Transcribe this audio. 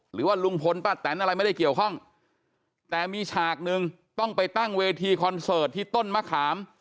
หรือว่าลุงพลป้าแตนอะไรไม่ได้เกี่ยวข้องแต่มีฉากหนึ่งต้องไปตั้งเวทีคอนเสิร์ตที่ต้นมะขาม